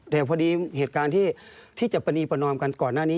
แต่พอดีเหตุการณ์ที่จะประนีประนอมกันก่อนหน้านี้